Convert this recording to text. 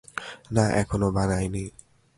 না, এখনো বানায় নি।